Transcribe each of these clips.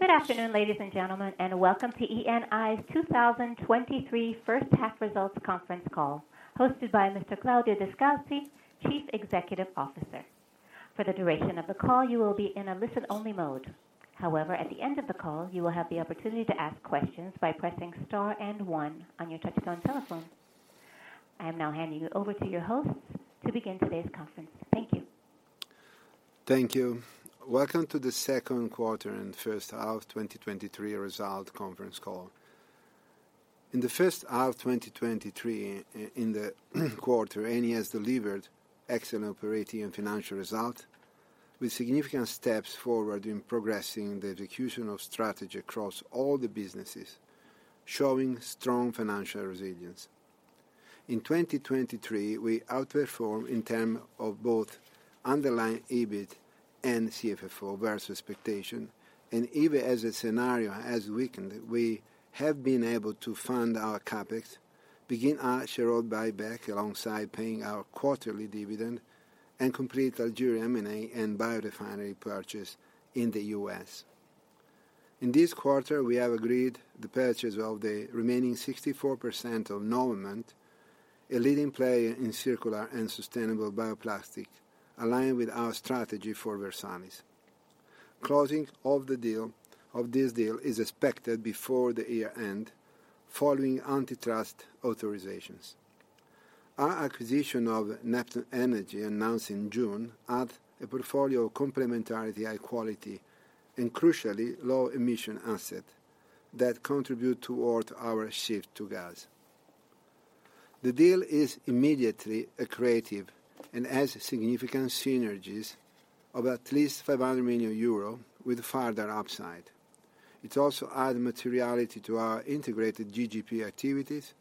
Good afternoon, ladies and gentlemen, and welcome to Eni's 2023 first half results conference call, hosted by Mr. Claudio Descalzi, Chief Executive Officer. I am now handing you over to your host to begin today's conference. Thank you. Thank you. Welcome to the second quarter and first half of 2023 result conference call. In the first half of 2023, in the quarter, Eni has delivered excellent operating and financial result, with significant steps forward in progressing the execution of strategy across all the businesses, showing strong financial resilience. In 2023, we outperformed in term of both underlying EBIT and CFFO versus expectation, even as the scenario has weakened, we have been able to fund our CapEx, begin our share buyback alongside paying our quarterly dividend, and complete Algeria M&A and biorefinery purchase in the U.S. In this quarter, we have agreed the purchase of the remaining 64% of Novamont, a leading player in circular and sustainable bioplastics, aligned with our strategy for Versalis. Closing of the deal of this deal is expected before the year end, following antitrust authorizations. Our acquisition of Neptune Energy, announced in June, add a portfolio of complementarity, high quality, and crucially, low emission asset that contribute toward our shift to gas. The deal is immediately accretive and has significant synergies of at least 500 million euro, with further upside. It also add materiality to our integrated GGP activities,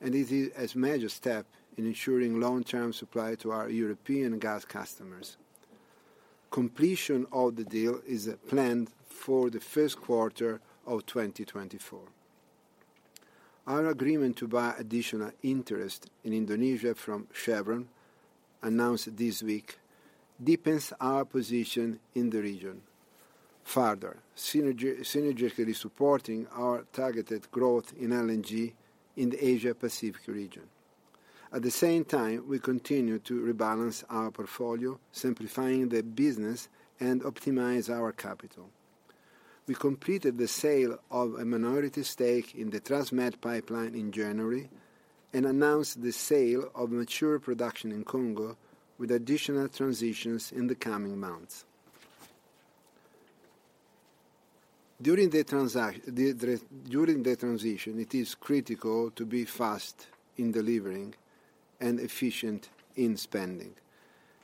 and it is a major step in ensuring long-term supply to our European gas customers. Completion of the deal is planned for the first quarter of 2024. Our agreement to buy additional interest in Indonesia from Chevron, announced this week, deepens our position in the region further, synergistically supporting our targeted growth in LNG in the Asia Pacific region. At the same time, we continue to rebalance our portfolio, simplifying the business and optimize our capital. We completed the sale of a minority stake in the TransMed pipeline in January and announced the sale of mature production in Congo, with additional transitions in the coming months. During the transition, it is critical to be fast in delivering and efficient in spending.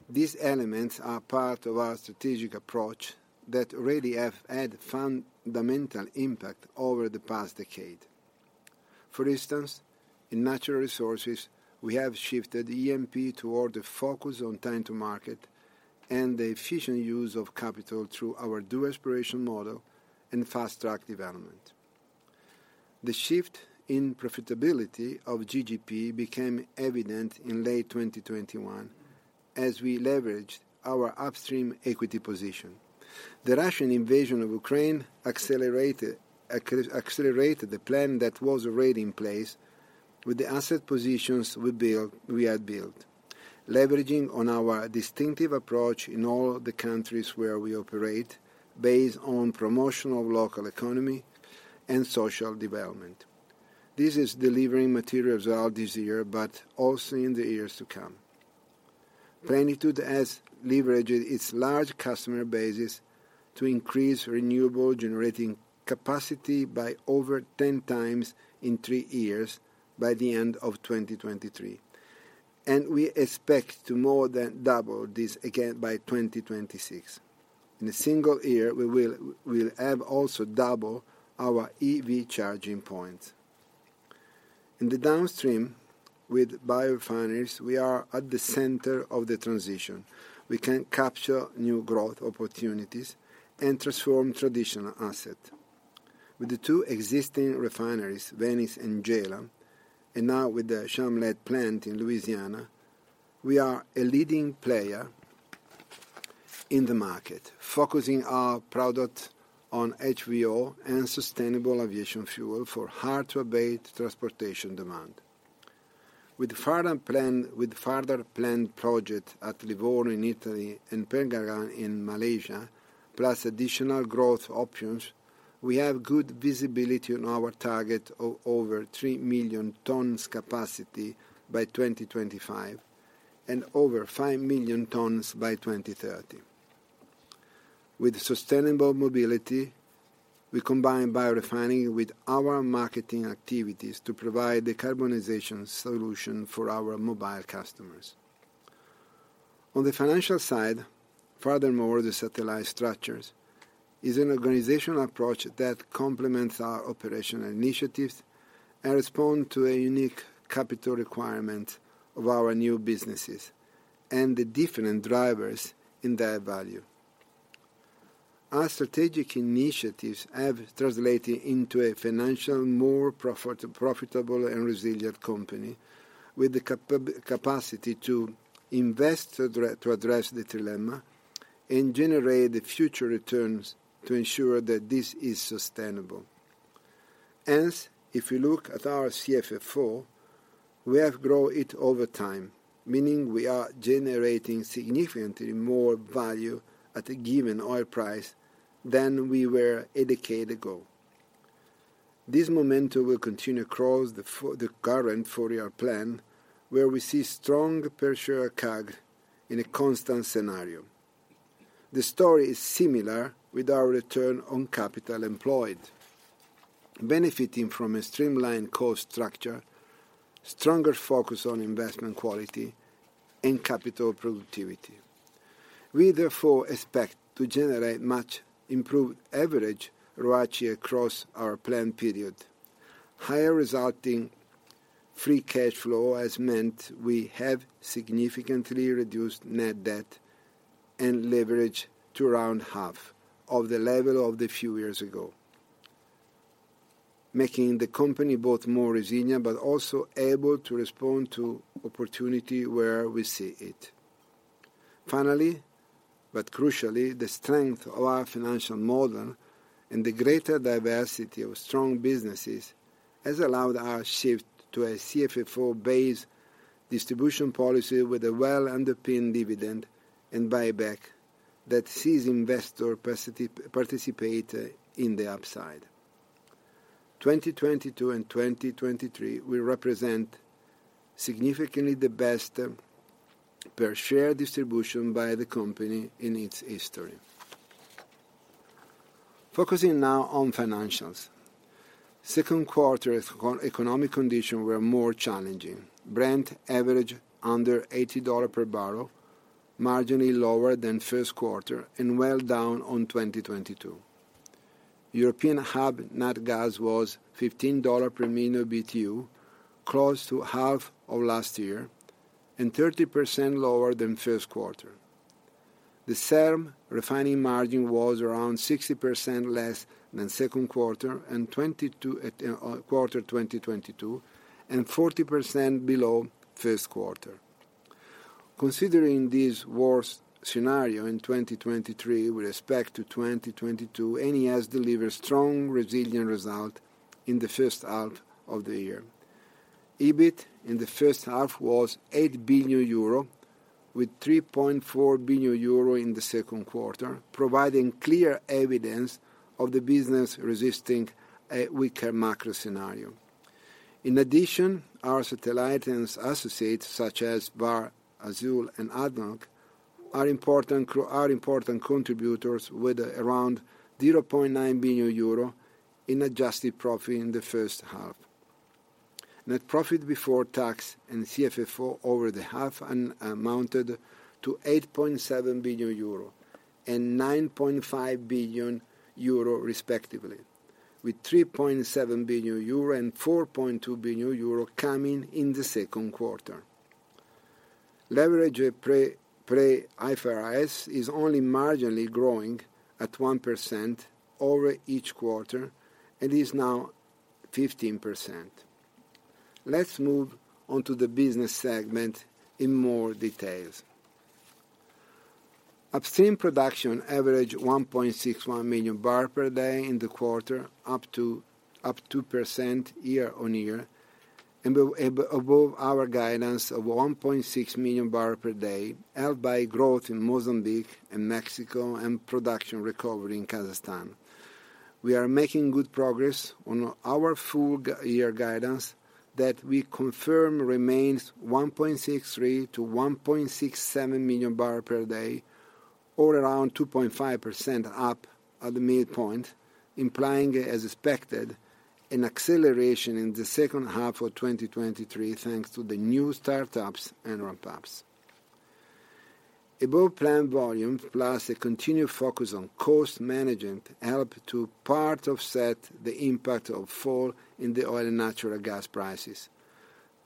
These elements are part of our strategic approach that already have had fundamental impact over the past decade. For instance, in natural resources, we have shifted E&P toward a focus on time to market and the efficient use of capital through our dual exploration model and fast-track development. The shift in profitability of GGP became evident in late 2021 as we leveraged our upstream equity position. The Russian invasion of Ukraine accelerated accelerated the plan that was already in place with the asset positions we build, we had built, leveraging on our distinctive approach in all the countries where we operate, based on promotion of local economy and social development. This is delivering material result this year, also in the years to come. Plenitude has leveraged its large customer bases to increase renewable generating capacity by over 10 times in three years by the end of 2023, we expect to more than double this again by 2026. In a single year, we will have also double our EV charging points. In the downstream with biorefineries, we are at the center of the transition. We can capture new growth opportunities and transform traditional asset. With the two existing refineries, Venice and Gela, and now with the Chalmette plant in Louisiana, we are a leading player in the market, focusing our product on HVO and sustainable aviation fuel for hard-to-abate transportation demand. With further plan, with further planned project at Livorno in Italy and Pengerang in Malaysia, plus additional growth options, we have good visibility on our target of over 3 million tons capacity by 2025 and over 5 million tons by 2030. With sustainable mobility, we combine biorefining with our marketing activities to provide decarbonization solution for our mobile customers. On the financial side, furthermore, the satellite structures is an organizational approach that complements our operational initiatives and respond to a unique capital requirement of our new businesses and the different drivers in their value. Our strategic initiatives have translated into a financial, more profit, profitable and resilient company, with the capacity to invest to address the dilemma and generate the future returns to ensure that this is sustainable. If you look at our CFFO, we have grown it over time, meaning we are generating significantly more value at a given oil price than we were a decade ago. This momentum will continue across the current 4-year plan, where we see strong per share CAGR in a constant scenario. The story is similar with our return on capital employed, benefiting from a streamlined cost structure, stronger focus on investment quality, and capital productivity. We therefore expect to generate much improved average ROACE across our plan period. Higher resulting free cash flow has meant we have significantly reduced net debt and leverage to around half of the level of a few years ago, making the company both more resilient, but also able to respond to opportunity where we see it. Finally, but crucially, the strength of our financial model and the greater diversity of strong businesses has allowed our shift to a CFFO-based distribution policy with a well-underpinned dividend and buyback that sees investor participate in the upside. 2022 and 2023 will represent significantly the best per share distribution by the company in its history. Focusing now on financials. Second quarter economic conditions were more challenging. Brent averaged under $80 per barrel, marginally lower than first quarter, and well down on 2022. European hub nat gas was EUR 15 per million BTU, close to half of last year, 30% lower than first quarter. The SERM refining margin was around 60% less than second quarter 2022, 40% below first quarter. Considering this worse scenario in 2023 with respect to 2022, Eni has delivered strong, resilient result in the first half of the year. EBIT in the first half was 8 billion euro, with 3.4 billion euro in the second quarter, providing clear evidence of the business resisting a weaker macro scenario. In addition, our satellites and associates, such as Vår, Azule Energy, and ADNOC, are important contributors with around 0.9 billion euro in adjusted profit in the first half. Net profit before tax and CFFO over the half amounted to 8.7 billion euro and 9.5 billion euro respectively, with 3.7 billion euro and 4.2 billion euro coming in the second quarter. Leverage pre-IFRS is only marginally growing at 1% over each quarter and is now 15%. Let's move on to the business segment in more details. Upstream production averaged 1.61 million barrels per day in the quarter, up 2% year-on-year, and above our guidance of 1.6 million barrels per day, helped by growth in Mozambique and Mexico, and production recovery in Kazakhstan. We are making good progress on our full year guidance that we confirm remains 1.63 million-1.67 million barrel per day, or around 2.5% up at the midpoint, implying, as expected, an acceleration in the second half of 2023, thanks to the new startups and ramp-ups. Above-plan volume, plus a continued focus on cost management, helped to part offset the impact of fall in the oil and natural gas prices.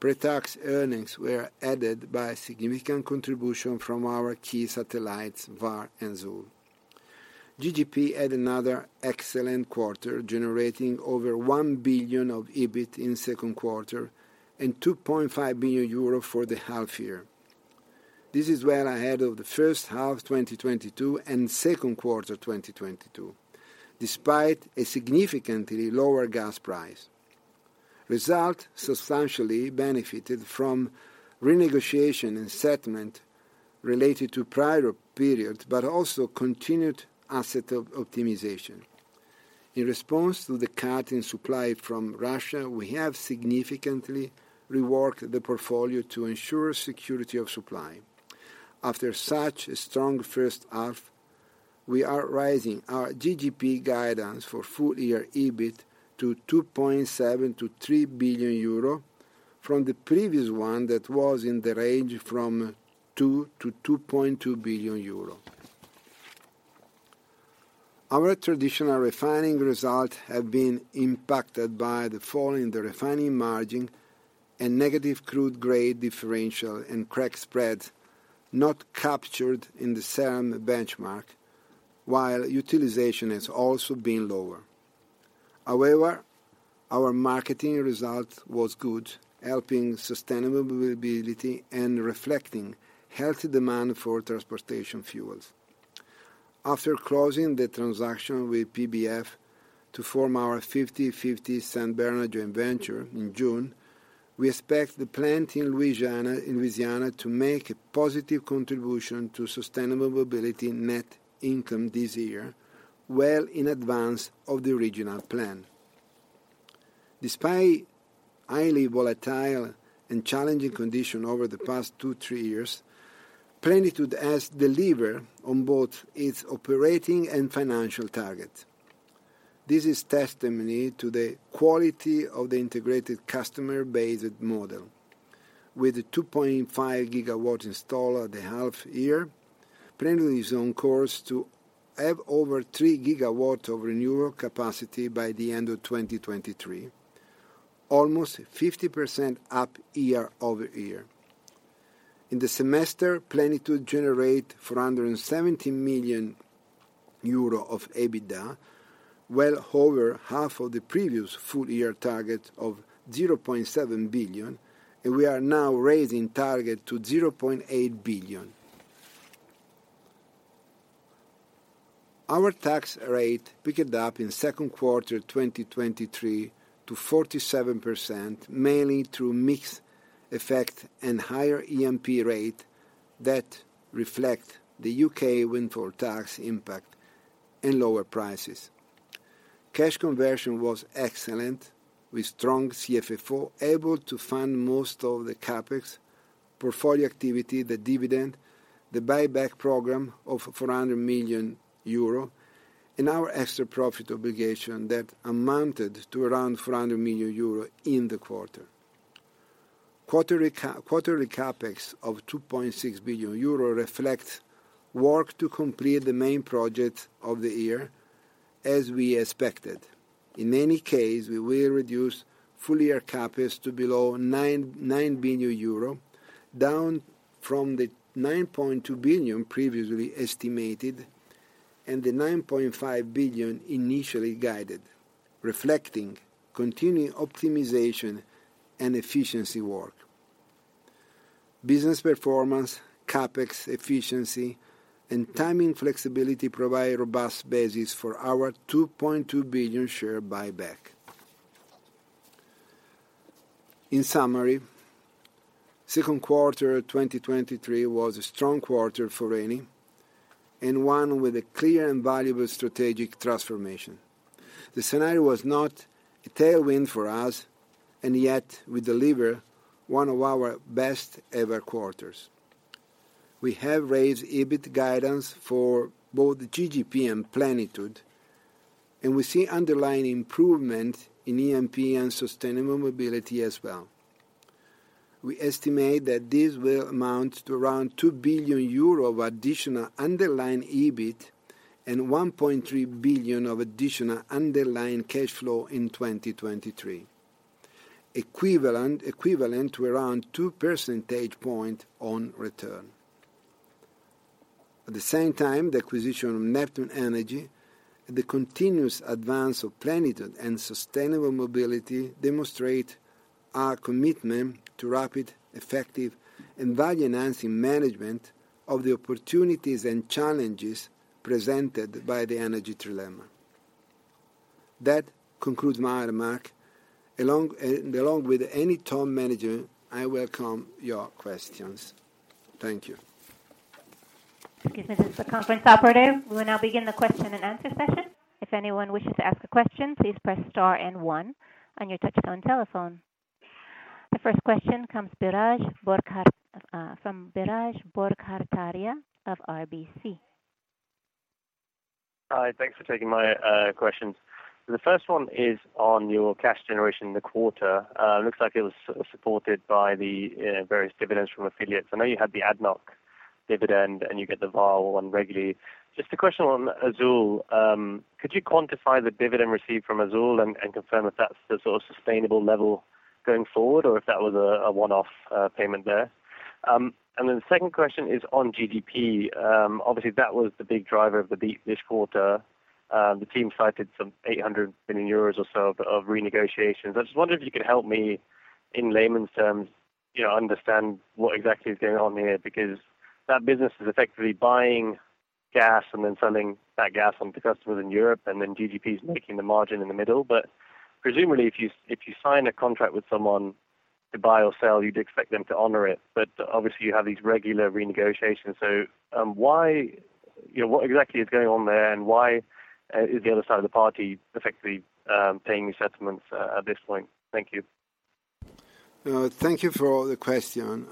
Pre-tax earnings were added by significant contribution from our key satellites, Vår and Azule. GGP had another excellent quarter, generating over 1 billion of EBIT in second quarter and 2.5 billion euro for the half year. This is well ahead of the first half 2022 and second quarter 2022, despite a significantly lower gas price. Result substantially benefited from renegotiation and settlement related to prior periods. Also continued asset optimization. In response to the cut in supply from Russia, we have significantly reworked the portfolio to ensure security of supply. After such a strong first half, we are raising our GGP guidance for full-year EBIT to 2.7 billion-3 billion euro, from the previous one that was in the range from 2 billion-2.2 billion euro. Our traditional refining results have been impacted by the fall in the refining margin and negative crude grade differential and crack spreads not captured in the same benchmark, while utilization has also been lower. Our marketing result was good, helping sustainability and reflecting healthy demand for transportation fuels. After closing the transaction with PBF to form our 50-50 St. Bernard joint venture in June, we expect the plant in Louisiana to make a positive contribution to sustainable mobility net income this year, well in advance of the original plan. Despite highly volatile and challenging conditions over the past two, three years, Plenitude has delivered on both its operating and financial target. This is testimony to the quality of the integrated customer-based model. With a 2.5 GW install at the half year, Plenitude is on course to have over 3 GW of renewable capacity by the end of 2023, almost 50% up year-over-year. In the semester, Plenitude generated EUR 470 million of EBITDA, well over half of the previous full year target of 0.7 billion. We are now raising target to 0.8 billion. Our tax rate picked up in second quarter 2023 to 47%, mainly through mix effect and higher E&P rate that reflect the U.K. windfall tax impact and lower prices. Cash conversion was excellent, with strong CFFO able to fund most of the CapEx portfolio activity, the dividend, the buyback program of 400 million euro, and our extra profit obligation that amounted to around 400 million euro in the quarter. Quarterly CapEx of 2.6 billion euro reflects work to complete the main project of the year, as we expected. In any case, we will reduce full year CapEx to below 9 billion euro, down from the 9.2 billion previously estimated and the 9.5 billion initially guided, reflecting continuing optimization and efficiency work. Business performance, CapEx efficiency, and timing flexibility provide a robust basis for our 2.2 billion share buyback. In summary, second quarter 2023 was a strong quarter for Eni, one with a clear and valuable strategic transformation. The scenario was not a tailwind for us, yet we delivered one of our best-ever quarters. We have raised EBIT guidance for both GGP and Plenitude, we see underlying improvement in E&P and sustainable mobility as well. We estimate that this will amount to around 2 billion euro of additional underlying EBIT and 1.3 billion of additional underlying cash flow in 2023. Equivalent, equivalent to around 2% points on return. At the same time, the acquisition of Neptune Energy and the continuous advance of Plenitude and sustainable mobility demonstrate our commitment to rapid, effective, and value-enhancing management of the opportunities and challenges presented by the energy trilemma. That concludes my remark. Along, along with any top manager, I welcome your questions. Thank you. This is the conference operator. We will now begin the question-and-answer session. The first question comes from Biraj Borkhataria of RBC. Hi, thanks for taking my questions. The first one is on your cash generation in the quarter. It looks like it was sort of supported by the various dividends from affiliates. I know you had the ADNOC dividend, and you get the Vale one regularly. Just a question on Azule. Could you quantify the dividend received from Azule and, and confirm that that's the sort of sustainable level going forward, or if that was a one-off payment there? Then the second question is on GGP. Obviously, that was the big driver of the beat this quarter. The team cited some 800 million euros or so of renegotiations. I just wondered if you could help me, in layman's terms, you know, understand what exactly is going on here, because that business is effectively buying gas and then selling that gas on to customers in Europe, and then GGP is making the margin in the middle. Presumably, if you, if you sign a contract with someone to buy or sell, you'd expect them to honor it, but obviously you have these regular renegotiations. You know, what exactly is going on there, and why is the other side of the party effectively paying you settlements at, at this point? Thank you. Thank you for all the question.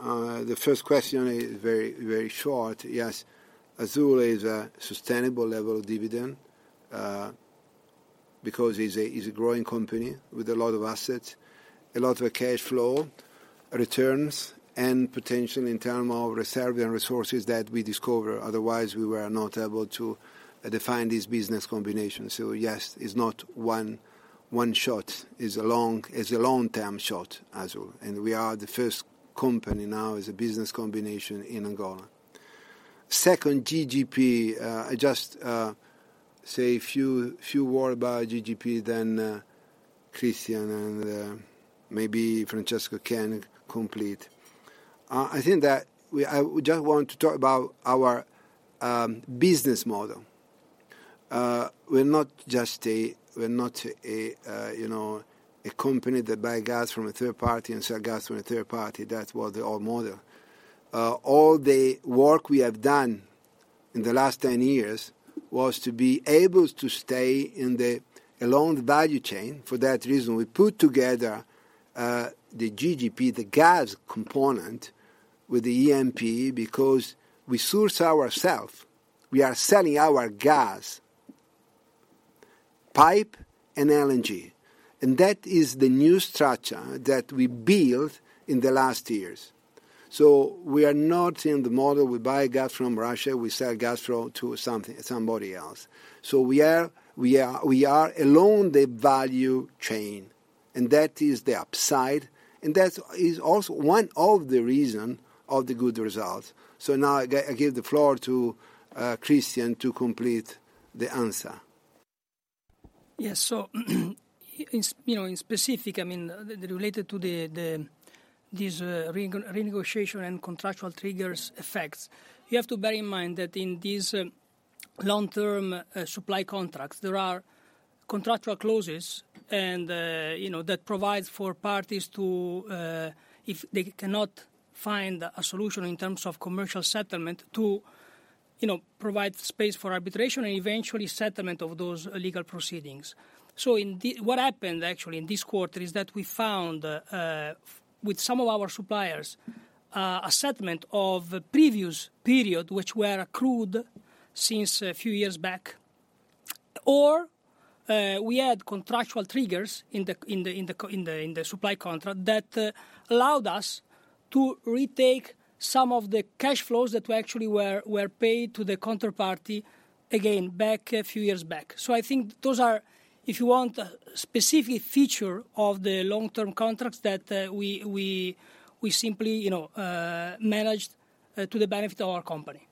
The first question is very, very short. Yes, Azule is a sustainable level of dividend because is a, is a growing company with a lot of assets, a lot of cash flow, returns, and potential in term of reserve and resources that we discover. Otherwise, we were not able to define this business combination. Yes, it's not one, one shot. It's a long, it's a long-term shot, Azule. We are the first company now as a business combination in Angola. Second, GGP. I just say a few, few word about GGP, then Cristian and maybe Francesco can complete. I think that we-- I, we just want to talk about our business model. We're not just a, we're not a, you know, a company that buy gas from a third party and sell gas from a third party. That was the old model. All the work we have done in the last 10 years was to be able to stay in the along the value chain. For that reason, we put together the GGP, the gas component, with the E&P, because we source ourself. We are selling our gas, pipe, and LNG, and that is the new structure that we built in the last years. We are not in the model, we buy gas from Russia, we sell gas to something, somebody else. We are along the value chain, and that is the upside, and that is also one of the reason of the good results. Now I give, I give the floor to Cristian to complete the answer. Yes. So, in, you know, in specific, I mean, related to the, the, this renegotiation and contractual triggers effects, you have to bear in mind that in these long-term supply contracts, there are contractual clauses and, you know, that provides for parties to, if they cannot find a solution in terms of commercial settlement, to, you know, provide space for arbitration and eventually settlement of those legal proceedings. Indeed, what happened actually in this quarter is that we found with some of our suppliers, a settlement of previous period, which were accrued since a few years back, or we had contractual triggers in the supply contract that allowed us to retake some of the cash flows that were actually paid to the counterparty again, back, a few years back. I think those are, if you want, specific feature of the long-term contracts that we simply, you know, managed to the benefit of our company.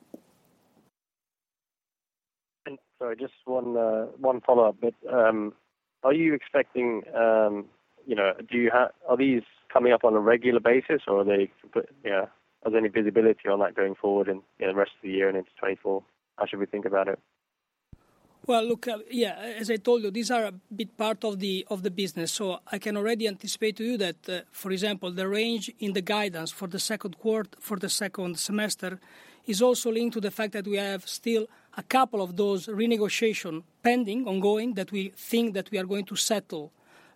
Sorry, just one, one follow-up. Are you expecting, you know, are these coming up on a regular basis, or are they, but, yeah... Are there any visibility on that going forward in, in the rest of the year and into 2024? How should we think about it? Well, look, yeah, as I told you, these are a big part of the, of the business, so I can already anticipate to you that, for example, the range in the guidance for the second quarter, for the second semester is also linked to the fact that we have still a couple of those renegotiation pending, ongoing, that we think that we are going to settle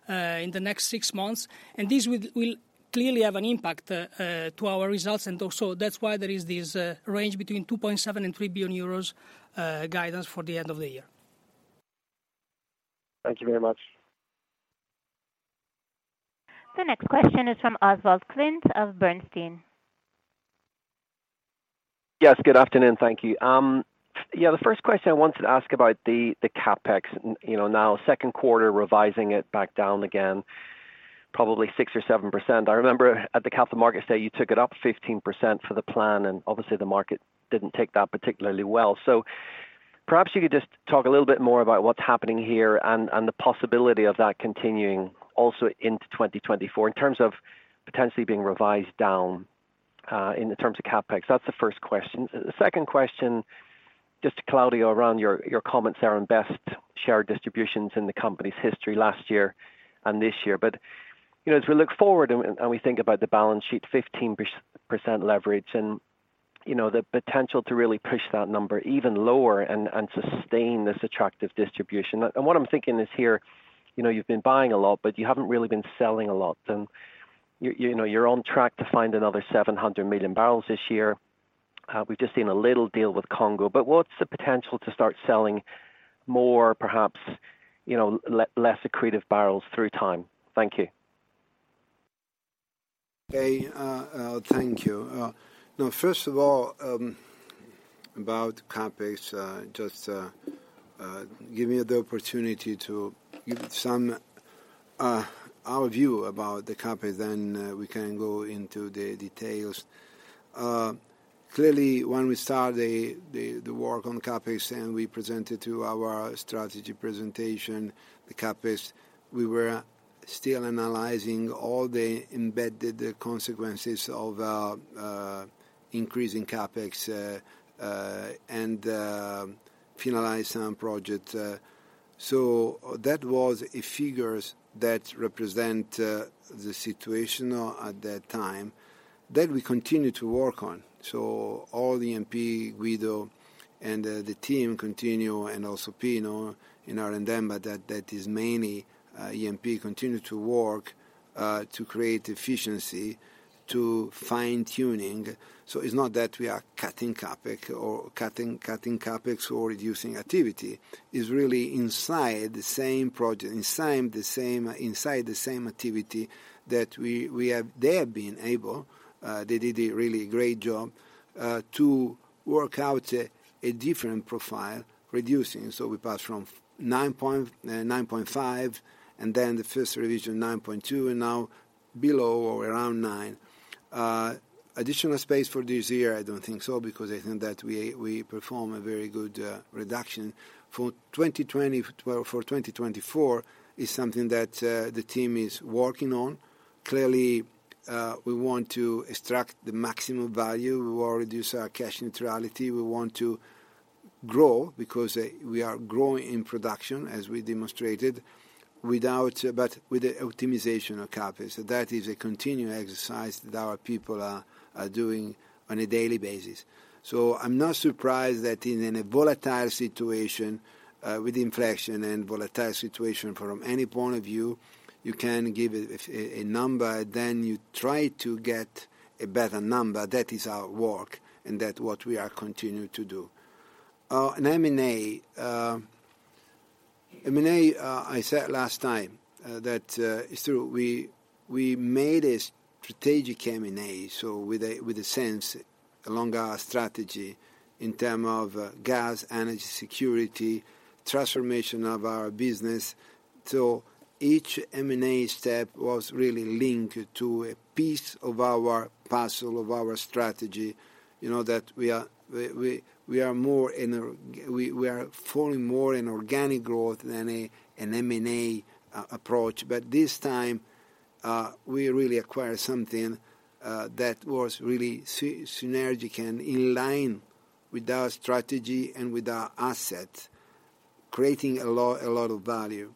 in the next six months. This will, will clearly have an impact to our results, and also that's why there is this range between 2.7 billion and 3 billion euros guidance for the end of the year. Thank you very much. The next question is from Oswald Clint of Bernstein. Yes, good afternoon. Thank you. Yeah, the first question I wanted to ask about the CapEx. You know, now, second quarter, revising it back down again, probably 6% or 7%. I remember at the capital market say, you took it up 15% for the plan, obviously, the market didn't take that particularly well. Perhaps you could just talk a little bit more about what's happening here and the possibility of that continuing also into 2024, in terms of potentially being revised down, in the terms of CapEx. That's the first question. The second question, just to Claudio, around your comments there on best share distributions in the company's history last year and this year. You know, as we look forward and, and we think about the balance sheet, 15% leverage and, you know, the potential to really push that number even lower and, and sustain this attractive distribution. What I'm thinking is here, you know, you've been buying a lot, but you haven't really been selling a lot. You, you know, you're on track to find another 700 million barrels this year. We've just seen a little deal with Congo, but what's the potential to start selling more, perhaps, you know, less accretive barrels through time? Thank you. Okay, thank you. First of all, about CapEx, just give me the opportunity to give some our view about the CapEx, then we can go into the details. When we start the work on CapEx, and we presented to our strategy presentation, the CapEx, we were still analyzing all the embedded consequences of increasing CapEx, and finalize some project. That was a figures that represent the situation at that time, that we continue to work on. All the E&P, Guido, and the team continue, and also Pino in R&D, but that is mainly, E&P continue to work to create efficiency, to fine-tuning. It's not that we are cutting CapEx or cutting CapEx or reducing activity. It's really inside the same project, inside the same, inside the same activity that we, they have been able, they did a really great job to work out a different profile, reducing. We passed from 9.5, and then the first revision, 9.2, and now below or around nine. Additional space for this year, I don't think so, because I think that we, we perform a very good reduction. For 2024, is something that the team is working on. We want to extract the maximum value. We want to reduce our cash neutrality. We want to grow because we are growing in production, as we demonstrated, without, but with the optimization of CapEx. That is a continuing exercise that our people are doing on a daily basis. I'm not surprised that in an volatile situation, with inflation and volatile situation from any point of view, you can give a number, then you try to get a better number. That is our work, and that what we are continuing to do. In M&A, M&A, I said last time that it's true, we made a strategic M&A, so with a, with a sense, along our strategy in term of gas, energy security, transformation of our business. Each M&A step was really linked to a piece of our puzzle, of our strategy. You know, that we, we are falling more in organic growth than an M&A approach. This time, we really acquired something that was really synergic and in line with our strategy and with our asset, creating a lot, a lot of value.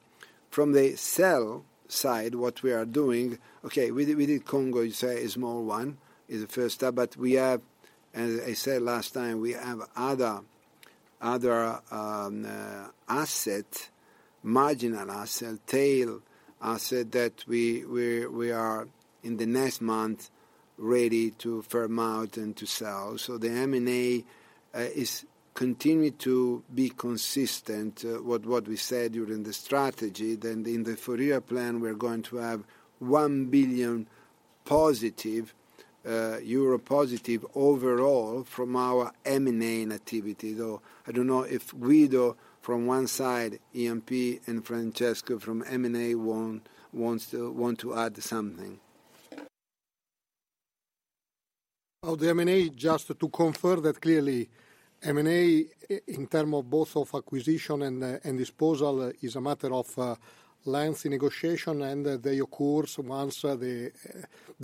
From the sell side, what we are doing... Okay, we did, we did Congo, it's a, a small one, is the first step, but we have, as I said last time, we have other, other asset, marginal asset, tail asset, that we, we, we are in the next month ready to firm out and to sell. The M&A is continuing to be consistent with what we said during the strategy. In the four-year plan, we're going to have 1 billion euro positive overall from our M&A activities. I don't know if Guido from one side, EMP, and Francesco from M&A want to add something. Of the M&A, just to confirm that clearly M&A, in term of both of acquisition and disposal, is a matter of lengthy negotiation, and they occur once the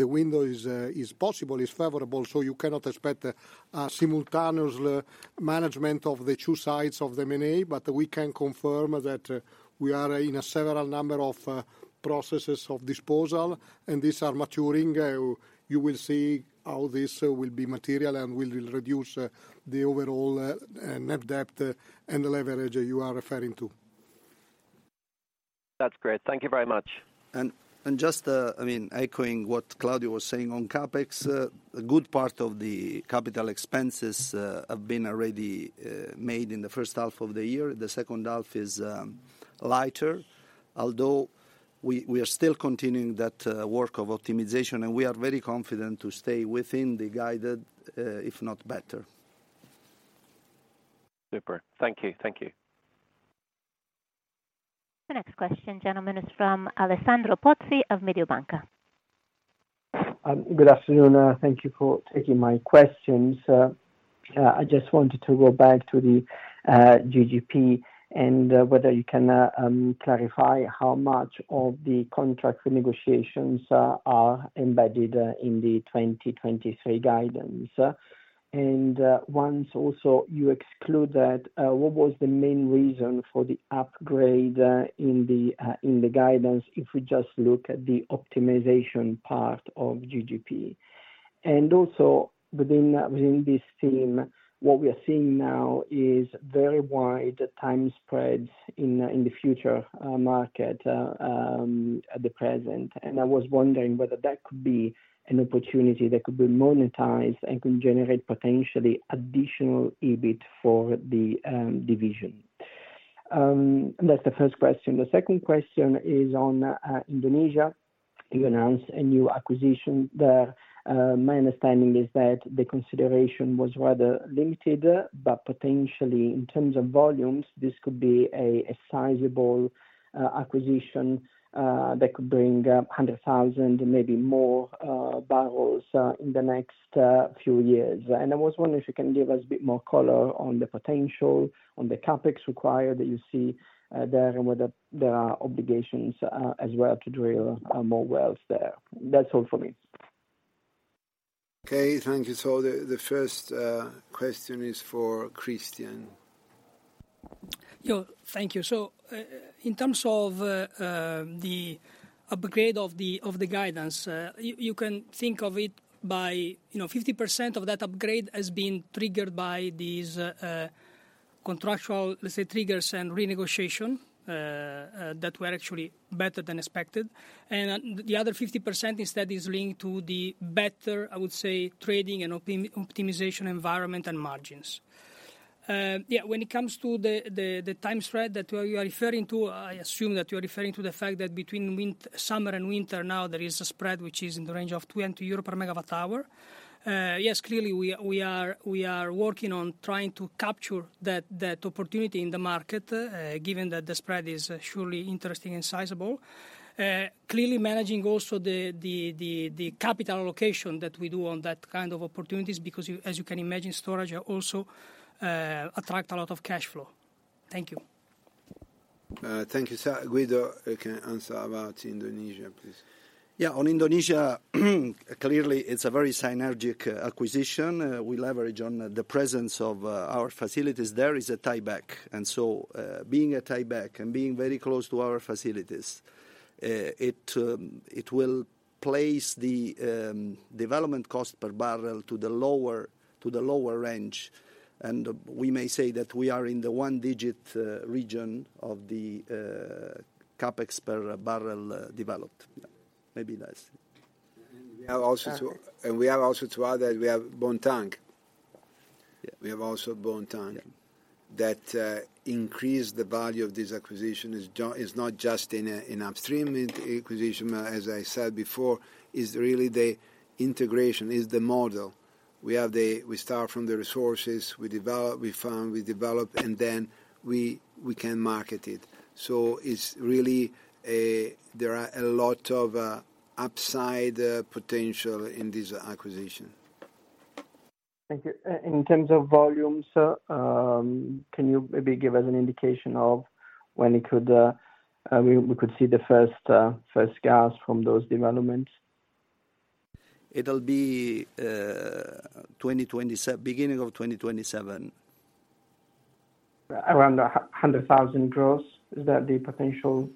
window is possible, is favorable. You cannot expect a simultaneous management of the two sides of the M&A, but we can confirm that we are in a several number of processes of disposal. These are maturing. You will see how this will be material and will reduce the overall net debt and the leverage you are referring to. That's great. Thank you very much. Just, I mean, echoing what Claudio was saying on CapEx, a good part of the capital expenses have been already made in the first half of the year. The second half is lighter, although we, we are still continuing that work of optimization, and we are very confident to stay within the guided, if not better. Super. Thank you. Thank you. The next question, gentlemen, is from Alessandro Pozzi of Mediobanca. Good afternoon. Thank you for taking my questions. I just wanted to go back to the GGP and whether you can clarify how much of the contract negotiations are embedded in the 2023 guidance. Once also you exclude that, what was the main reason for the upgrade in the guidance, if we just look at the optimization part of GGP? Also, within this theme, what we are seeing now is very wide time spreads in the future market at the present. I was wondering whether that could be an opportunity that could be monetized and can generate potentially additional EBIT for the division. That's the first question. The second question is on Indonesia. You announced a new acquisition there. My understanding is that the consideration was rather limited, but potentially, in terms of volumes, this could be a sizable acquisition that could bring 100,000, maybe more, barrels in the next few years. I was wondering if you can give us a bit more color on the potential, on the CapEx required that you see there, and whether there are obligations as well to drill more wells there. That's all for me. Okay, thank you. The first question is for Cristian. Yeah. Thank you. In terms of the upgrade of the guidance, you, you can think of it by, you know, 50% of that upgrade as being triggered by these contractual, let's say, triggers and renegotiation that were actually better than expected. The other 50% instead is linked to the better, I would say, trading and optimization environment and margins. Yeah, when it comes to the time spread that you are referring to, I assume that you are referring to the fact that between winter summer and winter now there is a spread which is in the range of 20 euro per MWh. Yes, clearly we, we are, we are working on trying to capture that, that opportunity in the market, given that the spread is surely interesting and sizable. Clearly managing also the, the, the, the capital allocation that we do on that kind of opportunities, because you, as you can imagine, storage also, attract a lot of cash flow. Thank you. Thank you, sir. Guido, you can answer about Indonesia, please. Yeah, on Indonesia, clearly, it's a very synergic acquisition. We leverage on the presence of our facilities. There is a tieback. Being a tieback and being very close to our facilities, it will place the development cost per barrel to the lower, to the lower range, and we may say that we are in the one-digit region of the CapEx per barrel developed. Yeah. Maybe less. We have also. Perfect. We have also to add that we have Bontang. Yeah. We have also Bontang. Yeah. That increase the value of this acquisition is not just in, in upstream acquisition, but as I said before, is really the integration, is the model. We start from the resources, we develop, we farm, we develop, and then we, we can market it. It's really a, there are a lot of upside potential in this acquisition. Thank you. In terms of volumes, sir, can you maybe give us an indication of when it could, we, we could see the first, first gas from those developments? It'll be beginning of 2027. Around 100,000 gross, is that the potential-?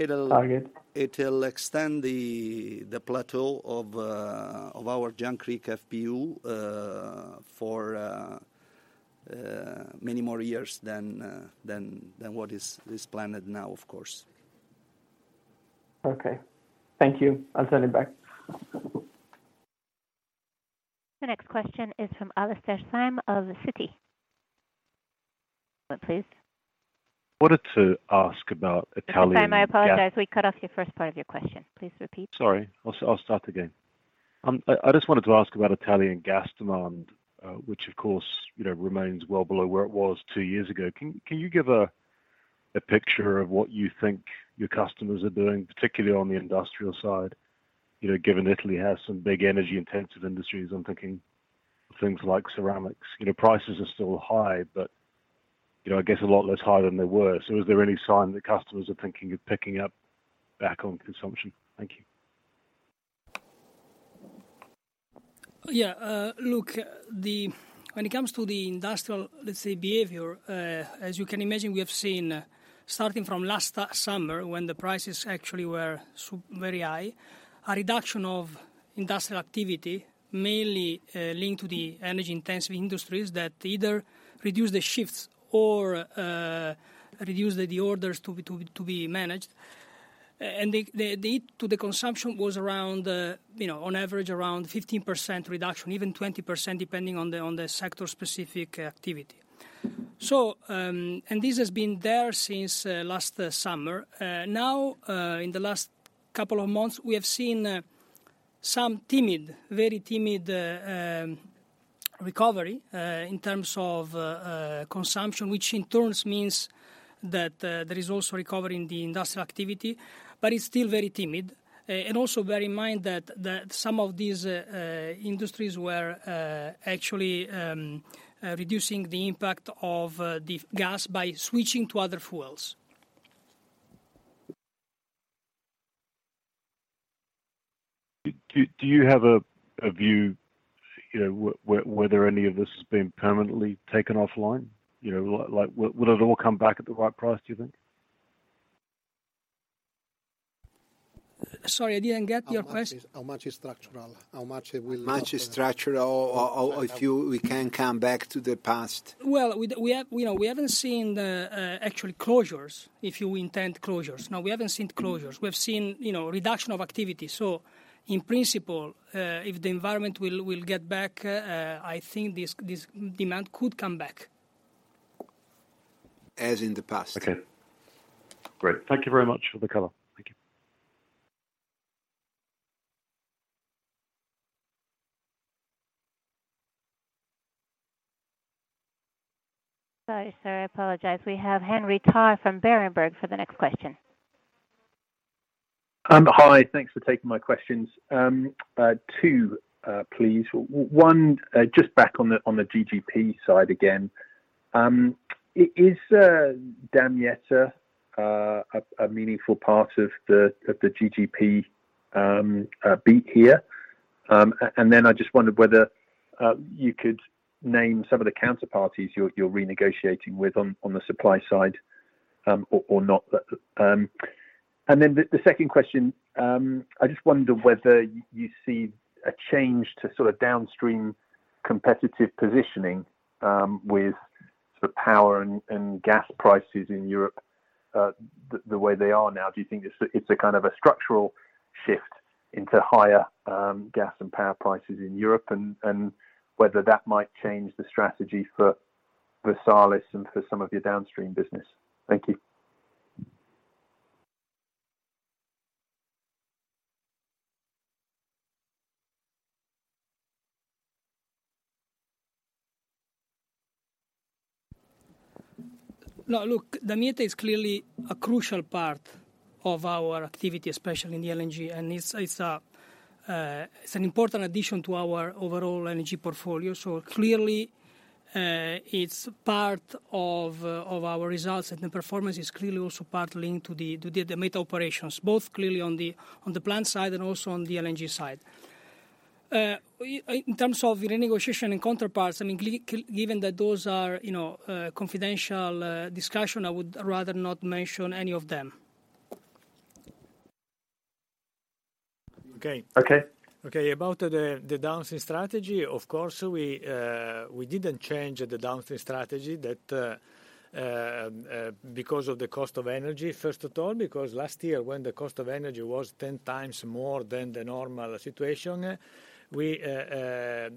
It'll- -target? It'll extend the, the plateau of, of our Jangkrik FPU, for many more years than, than, than what is, is planned now, of course. Okay. Thank you. I'll send it back. The next question is from Alastair Syme of Citi. Please. Wanted to ask about Italian gas? I'm sorry, I apologize. We cut off your first part of your question. Please repeat. Sorry. I'll, I'll start again. I, I just wanted to ask about Italian gas demand, which, of course, you know, remains well below where it was two years ago. Can, can you give a, a picture of what you think your customers are doing, particularly on the industrial side? You know, given Italy has some big energy-intensive industries, I'm thinking things like ceramics. You know, prices are still high, but, you know, I guess a lot less higher than they were. Is there any sign that customers are thinking of picking up back on consumption? Thank you. Look, when it comes to the industrial, let's say, behavior, as you can imagine, we have seen, starting from last summer, when the prices actually were very high, a reduction of industrial activity, mainly linked to the energy-intensive industries that either reduced the shifts or reduced the orders to be managed. The consumption was around, you know, on average, around 15% reduction, even 20%, depending on the sector-specific activity. This has been there since last summer. In the last couple of months, we have seen some timid, very timid recovery, in terms of consumption, which in turns means that there is also recovery in the industrial activity, but it's still very timid. And also bear in mind that, that some of these industries were actually reducing the impact of the gas by switching to other fuels. Do you have a view, you know, whether any of this has been permanently taken offline? You know, like, will it all come back at the right price, do you think? Sorry, I didn't get your question. How much is, how much is structural? How much is structural or if you, we can come back to the past? Well, we we have, you know, we haven't seen the actual closures, if you intend closures. No, we haven't seen closures. We've seen, you know, reduction of activity. In principle, if the environment will, will get back, I think this, this demand could come back. As in the past. Okay. Great. Thank you very much for the color. Thank you. Sorry, sir, I apologize. We have Henry Tarr from Berenberg for the next question. Hi, thanks for taking my questions. two, please. One, just back on the GGP side again. Is Damietta a meaningful part of the GGP beat here? Then I just wondered whether you could name some of the counterparties you're renegotiating with on the supply side, or not. Then the second question, I just wonder whether you see a change to sort of downstream competitive positioning, with the power and gas prices in Europe, the way they are now. Do you think it's a kind of structural shift into higher gas and power prices in Europe, and whether that might change the strategy for Versalis and for some of your downstream business? Thank you. No, look, the meta is clearly a crucial part of our activity, especially in the LNG, and it's an important addition to our overall energy portfolio. Clearly, it's part of our results, and the performance is clearly also part linked to the meta operations, both clearly on the plant side and also on the LNG side. In terms of the negotiation and counterparts, I mean, given that those are, you know, confidential discussion, I would rather not mention any of them. Okay. Okay. Okay, about the downstream strategy, of course, we didn't change the downstream strategy that because of the cost of energy, first at all, because last year, when the cost of energy was 10 times more than the normal situation, we had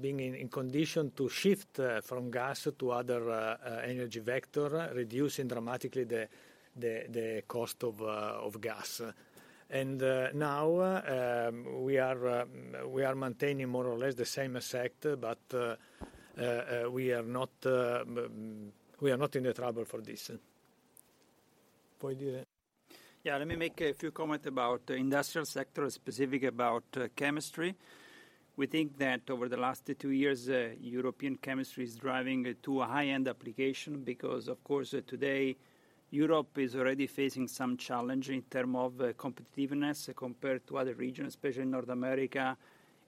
been in condition to shift from gas to other energy vector, reducing dramatically the cost of gas. Now, we are maintaining more or less the same sector, but we are not in the trouble for this. Yeah, do you? Yeah, let me make a few comments about the industrial sector, specific about chemistry. We think that over the last two years, European chemistry is driving to a high-end application because, of course, today, Europe is already facing some challenge in term of competitiveness compared to other regions, especially in North America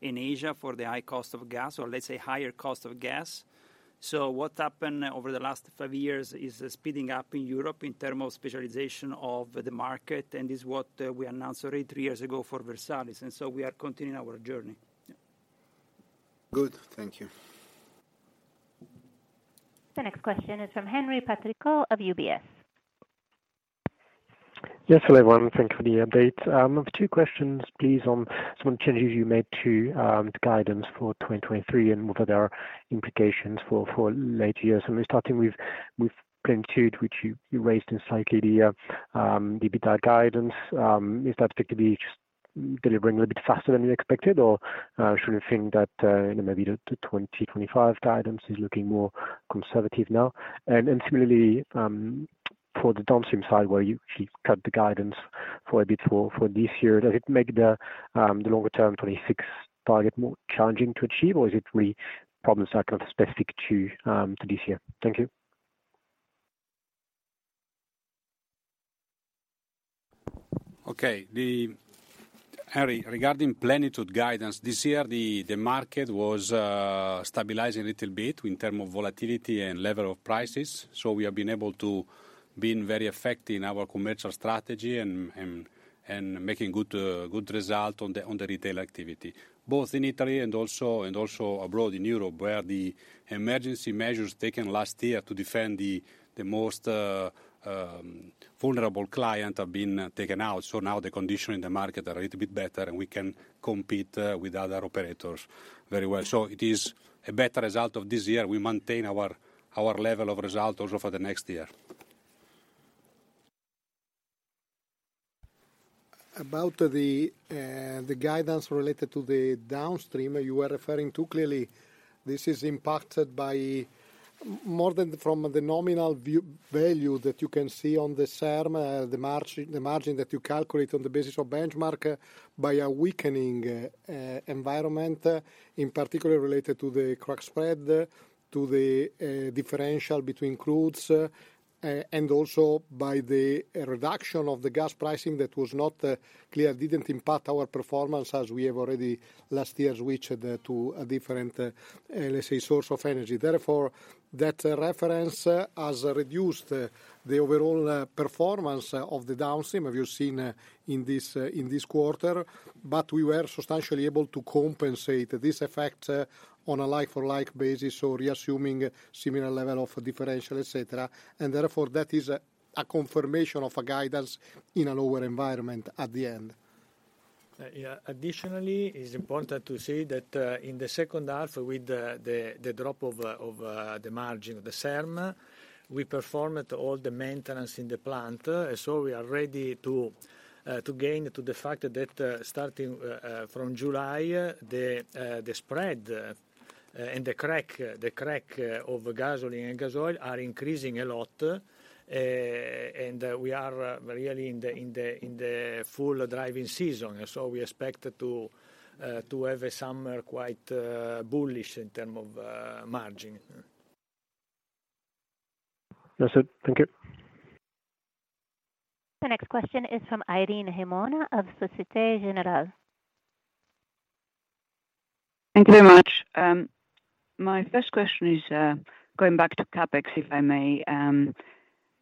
and Asia, for the high cost of gas, or let's say, higher cost of gas. What happened over the last five years is speeding up in Europe in term of specialization of the market, and is what we announced already three years ago for Versalis, and so we are continuing our journey. Good. Thank you. The next question is from Henri Patricot of UBS. Yes, hello, everyone. Thank you for the update. I have two questions, please, on some changes you made to the guidance for 2023, what are their implications for later years. We're starting with Plenitude, which you raised in slightly the EBITDA guidance. Is that particularly just delivering a little bit faster than you expected, or should we think that, you know, maybe the 2025 guidance is looking more conservative now? Similarly, for the downstream side, where you actually cut the guidance for a bit for this year, does it make the longer-term 2026 target more challenging to achieve, or is it really problem cycle specific to this year? Thank you. Okay, Henri, regarding Plenitude guidance, this year, the, the market was stabilizing a little bit in terms of volatility and level of prices, so we have been able to being very effective in our commercial strategy and, and, and making good result on the, on the retail activity. Both in Italy and also, and also abroad in Europe, where the emergency measures taken last year to defend the, the most vulnerable client have been taken out. Now the condition in the market are a little bit better, and we can compete with other operators very well. It is a better result of this year. We maintain our, our level of result also for the next year. About the, the guidance related to the downstream, you are referring to clearly this is impacted by more than from the nominal view value that you can see on the SERM, the margin, the margin that you calculate on the basis of benchmark, by a weakening, environment, in particular related to the crack spread, to the, differential between crudes, and also by the reduction of the gas pricing that was not, clear, didn't impact our performance, as we have already last year switched, to a different, let's say, source of energy. Therefore, that reference, has reduced, the overall, performance of the downstream, as you've seen, in this, in this quarter, but we were substantially able to compensate this effect, on a like-for-like basis, so reassuming similar level of differential, et cetera. Therefore, that is a, a confirmation of a guidance in a lower environment at the end. Yeah. Additionally, it's important to say that in the second half, with the drop of the margin, the SERM, we performed all the maintenance in the plant, so we are ready to gain to the fact that starting from July, the spread and the crack, the crack of gasoline and gas oil are increasing a lot, and we are really in the full driving season. So we expect to have a summer quite bullish in term of margin. That's it. Thank you. The next question is from Irene Himona of Societe Generale. Thank you very much. My first question is, going back to CapEx, if I may.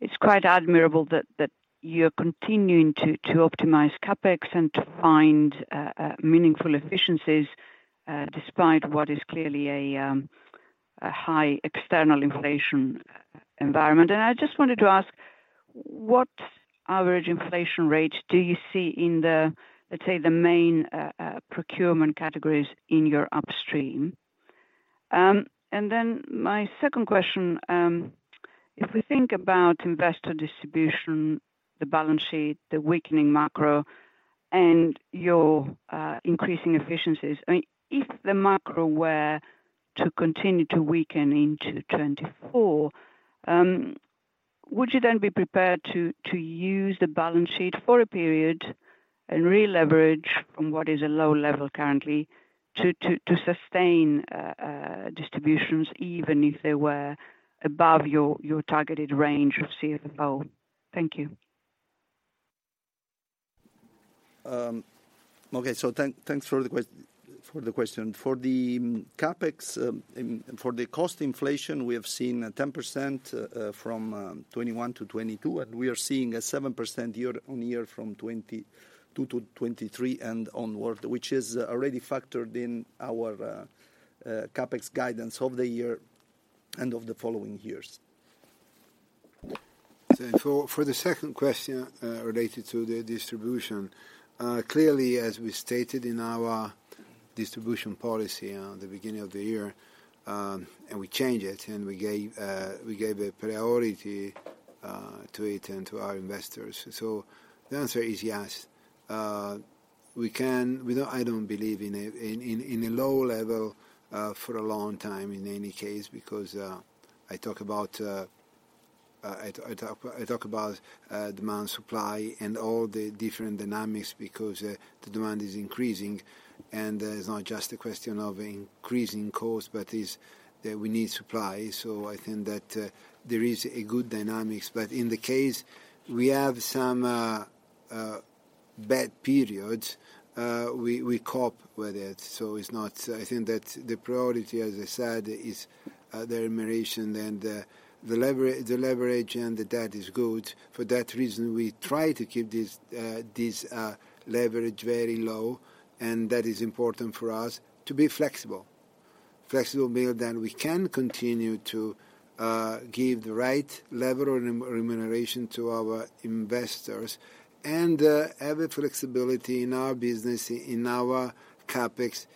It's quite admirable that, that you are continuing to, to optimize CapEx and to find, meaningful efficiencies, despite what is clearly a, high external inflation environment. I just wanted to ask, what average inflation rate do you see in the, let's say, the main, procurement categories in your upstream? Um, and then my second question, um, if we think about investor distribution, the balance sheet, the weakening macro, and your, uh, increasing efficiencies, I mean, if the macro were to continue to weaken into 2024, um, would you then be prepared to, to use the balance sheet for a period and re-leverage from what is a low level currently, to, to, to sustain, uh, uh, distributions even if they were above your, your targeted range of CFFO? Thank you. Okay, thanks, thanks for the question. For the CapEx, and for the cost inflation, we have seen 10% from 2021 to 2022, and we are seeing a 7% year-on-year from 2022 to 2023 and onward, which is already factored in our CapEx guidance of the year and of the following years. For the second question related to the distribution, clearly, as we stated in our distribution policy at the beginning of the year, and we changed it, and we gave a priority to it and to our investors. The answer is yes. We can, we don't, I don't believe in a, in, in, in a low level, for a long time in any case, because I talk about, I talk, I talk about demand, supply, and all the different dynamics, because the demand is increasing, and it's not just a question of increasing cost, but is that we need supply. I think that there is a good dynamics, but in the case, we have some bad periods, we cope with it. It's not. I think that the priority, as I said, is the remuneration and the leverage, and the debt is good. For that reason, we try to keep this leverage very low, and that is important for us to be flexible. Flexible, meaning that we can continue to give the right level of remuneration to our investors, and have a flexibility in our business, in our CapEx,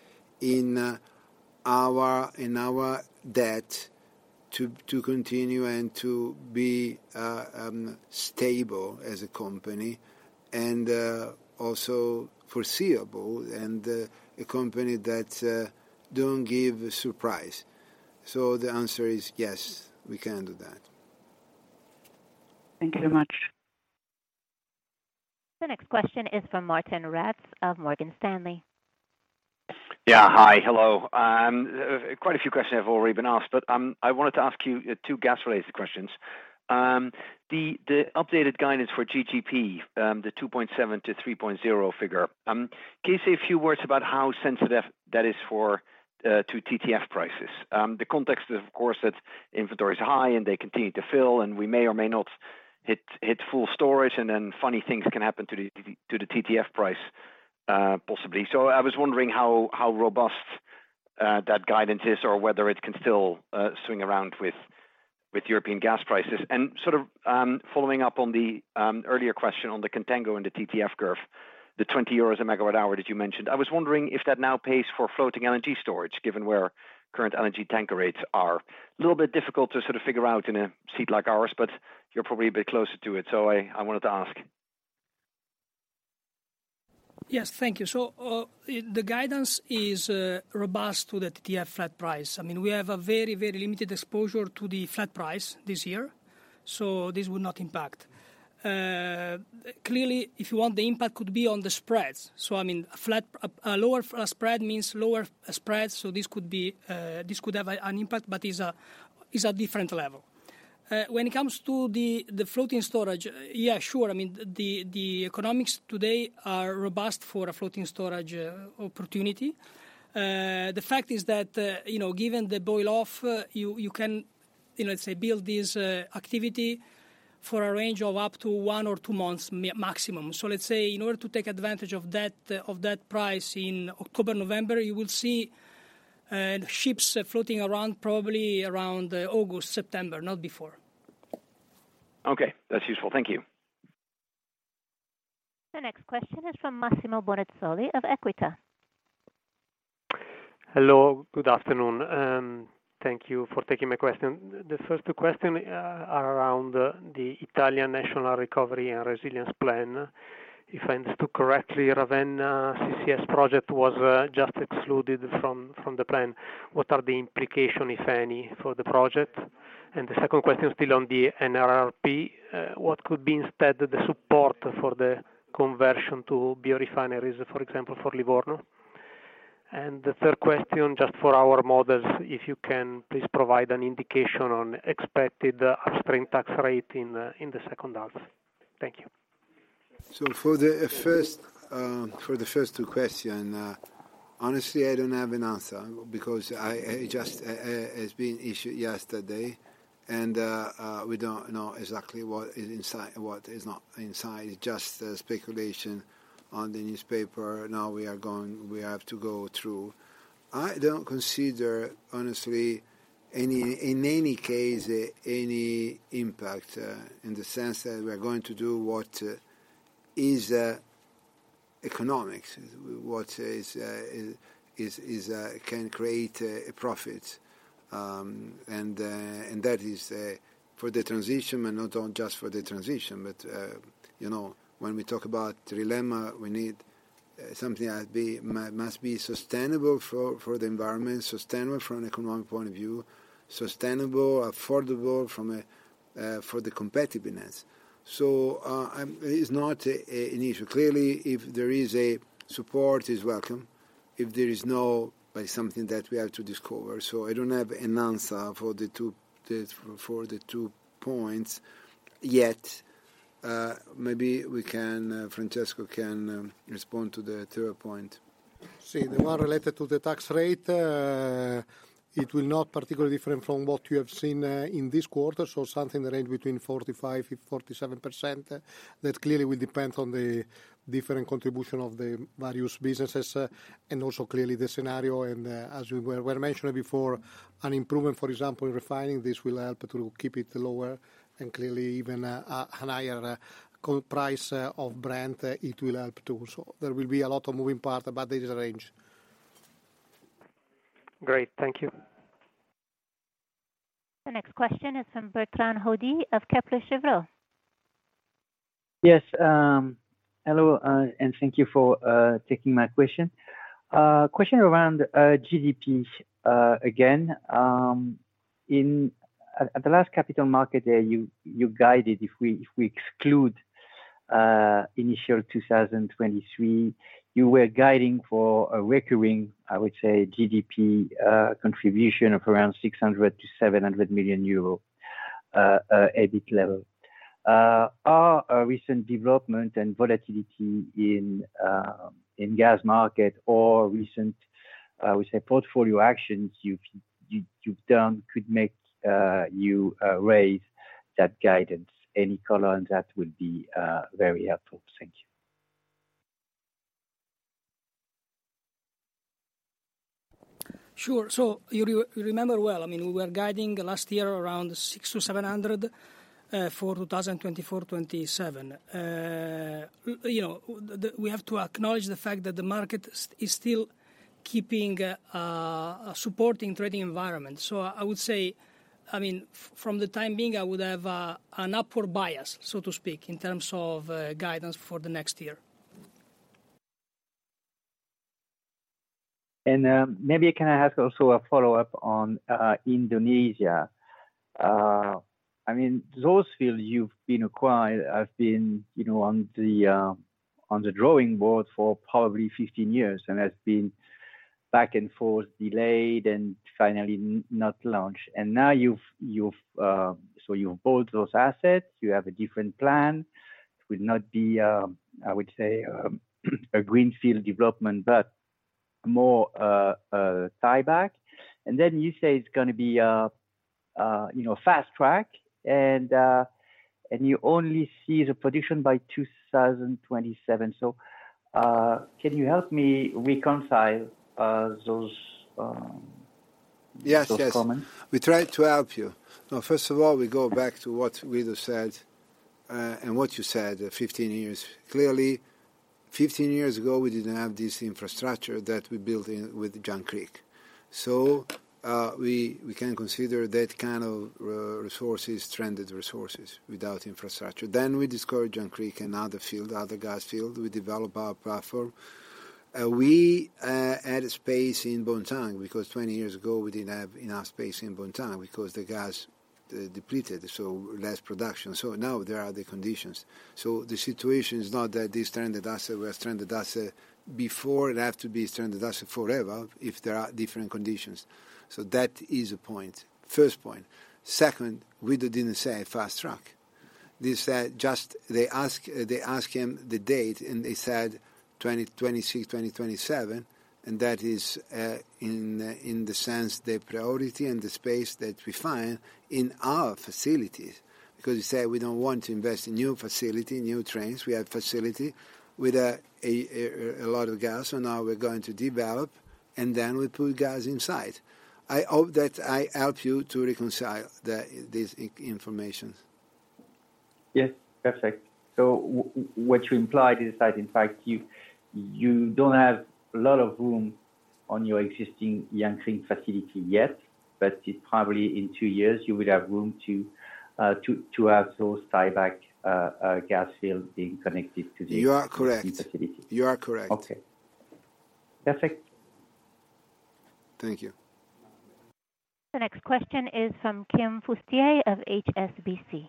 in our, in our debt, to continue and to be stable as a company and also foreseeable, and a company that don't give a surprise. The answer is yes, we can do that. Thank you very much. The next question is from Martijn Rats of Morgan Stanley. Yeah. Hi, hello. Quite a few questions have already been asked, I wanted to ask you two gas-related questions. The updated guidance for GGP, the 2.7-3.0 figure, can you say a few words about how sensitive that is to TTF prices? The context is, of course, that inventory is high, and they continue to fill, and we may or may not hit full storage, and then funny things can happen to the TTF price, possibly. I was wondering how robust that guidance is, or whether it can still swing around with European gas prices. Sort of, following up on the earlier question on the contango and the TTF curve, the 20 euros a MWh that you mentioned, I was wondering if that now pays for floating LNG storage, given where current LNG tanker rates are. A little bit difficult to sort of figure out in a seat like ours, but you're probably a bit closer to it, so I, I wanted to ask. Yes, thank you. The guidance is robust to the TTF flat price. I mean, we have a very, very limited exposure to the flat price this year, so this would not impact. Clearly, if you want, the impact could be on the spreads. I mean, a lower spread means lower spread, so this could be, this could have an impact, but is a different level. When it comes to the floating storage, yeah, sure. I mean, the economics today are robust for a floating storage opportunity. The fact is that, you know, given the boil off, you can, you know, say, build this activity for a range of up to one or two months maximum. Let's say, in order to take advantage of that, of that price in October, November, you will see ships floating around probably around August, September, not before. Okay, that's useful. Thank you. The next question is from Massimo Bonisoli of Equita. Hello, good afternoon, thank you for taking my question. The first two question are around the Italian National Recovery and Resilience Plan. If I understood correctly, Raven, CCS project was just excluded from, from the plan. What are the implications, if any, for the project? The second question, still on the NRRP, what could be instead the support for the conversion to biorefineries, for example, for Livorno? The third question, just for our models, if you can please provide an indication on expected upstream tax rate in the second half. Thank you. For the first, for the first two question, honestly, I don't have an answer because I, it just, it's been issued yesterday, and we don't know exactly what is inside, what is not inside, just the speculation on the newspaper. Now we are going... we have to go through. I don't consider, honestly, any, in any case, any impact, in the sense that we are going to do what is economics, what is, is, is, can create a, a profit. That is for the transition, but not on just for the transition. You know, when we talk about trilemma, we need something that must be sustainable for, for the environment, sustainable from an economic point of view, sustainable, affordable from a for the competitiveness. It's not an issue. Clearly, if there is a support, is welcome. If there is no, like, something that we have to discover. I don't have an answer for the two, for the two points yet. Maybe we can, Francesco can, respond to the, to your point. Si. The one related to the tax rate, it will not particularly different from what you have seen, in this quarter, so something that range between 45%-47%. That clearly will depend on the different contribution of the various businesses, and also clearly the scenario. As we were mentioning before, an improvement, for example, in refining, this will help to keep it lower and clearly even, an higher price of Brent, it will help too. So there will be a lot of moving parts, but there is a range. Great, thank you. The next question is from Bertrand Hodée of Kepler Cheuvreux. Yes, hello, and thank you for taking my question. Question around GGP again. In, at, at the last capital market there, you, you guided, if we, if we exclude initial 2023, you were guiding for a recurring, I would say, GGP contribution of around 600 million-700 million euro EBIT level. Are recent development and volatility in gas market or recent, we say portfolio actions you've, you, you've done could make you raise that guidance? Any color on that would be very helpful. Thank you. Sure. You remember well. I mean, we were guiding last year around 600-700 million for 2024-2027. You know, we have to acknowledge the fact that the market is still keeping a supporting trading environment. I would say, I mean, from the time being, I would have an upward bias, so to speak, in terms of guidance for the next year. Maybe can I ask also a follow-up on Indonesia? I mean, those field you've been acquired, have been, you know, on the drawing board for probably 15 years and has been back and forth, delayed, and finally not launched. Now you've, you've... So you've bought those assets, you have a different plan. It will not be, I would say, a greenfield development, but more a tieback. Then you say it's gonna be, you know, fast track, and you only see the production by 2027. Can you help me reconcile those comments? Yes, yes. We try to help you. Now, first of all, we go back to what Guido said, and what you said, 15 years. Clearly, 15 years ago, we didn't have this infrastructure that we built in, with Jangkrik. We, we can consider that kind of resources, stranded resources without infrastructure. We discovered Jangkrik and other field, other gas field. We develop our platform. We had a space in Bontang, because 20 years ago we didn't have enough space in Bontang because the gas, depleted, so less production. Now there are the conditions. The situation is not that this stranded asset or a stranded asset before, it have to be stranded asset forever, if there are different conditions. That is a point, first point. Second, Guido didn't say fast track. They said they ask, they ask him the date, and he said 2026, 2027, and that is in the sense, the priority and the space that we find in our facilities. He said, we don't want to invest in new facility, new trains. We have facility with a lot of gas, so now we're going to develop, and then we put gas inside. I hope that I help you to reconcile the, this information. Yes, perfect. What you implied is that, in fact, you, you don't have a lot of room on your existing Jangkrik facility yet, but it's probably in two years you will have room to have those tieback gas field being connected to. You are correct... facility. You are correct. Okay. Perfect. Thank you. The next question is from Kim Fustier of HSBC.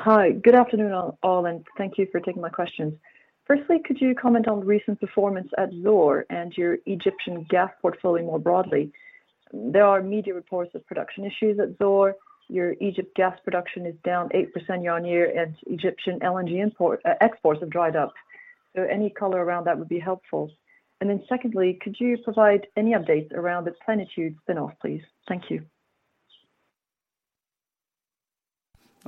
Hi. Good afternoon, all, and thank you for taking my questions. Firstly, could you comment on the recent performance at Zohr and your Egyptian gas portfolio more broadly? There are media reports of production issues at Zohr. Your Egypt gas production is down 8% year-on-year, and Egyptian LNG import exports have dried up. Any color around that would be helpful. Secondly, could you provide any updates around the Plenitude spin-off, please? Thank you.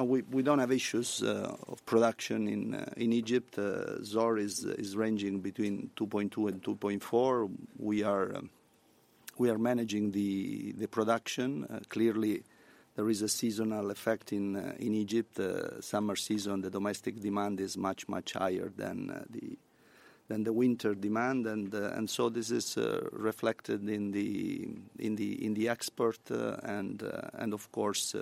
We, we don't have issues of production in Egypt. Zohr is, is ranging between 2.2 and 2.4. We are managing the production. Clearly, there is a seasonal effect in Egypt. Summer season, the domestic demand is much, much higher than the winter demand. This is reflected in the export and of course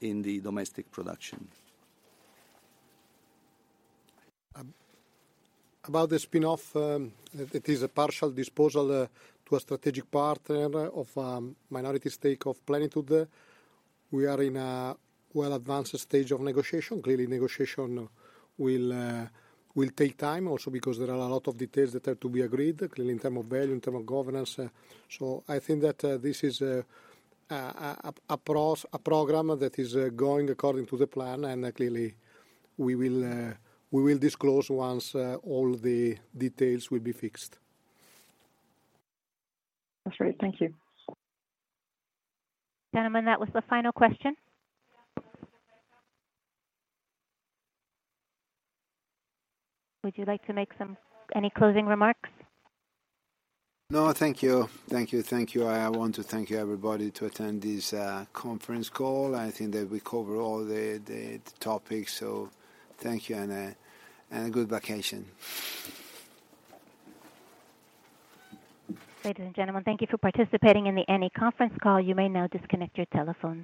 in the domestic production. About the spin-off, it is a partial disposal to a strategic partner of minority stake of Plenitude. We are in a well-advanced stage of negotiation. Clearly, negotiation will take time also because there are a lot of details that are to be agreed, clearly in term of value, in term of governance. I think that this is a program that is going according to the plan, and clearly we will disclose once all the details will be fixed. That's great. Thank you. Gentlemen, that was the final question. Would you like to make some... any closing remarks? No, thank you. Thank you, thank you. I want to thank you everybody to attend this conference call. I think that we covered all the, the topics, so thank you, and a good vacation. Ladies and gentlemen, thank you for participating in the Eni conference call. You may now disconnect your telephones.